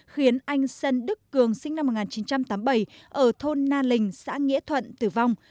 khiến anh sơn đức cường sinh năm một nghìn chín trăm tám mươi bảy ở thôn na lình xã nghĩa thuận tử vong